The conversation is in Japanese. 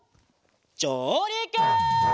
じょうりく！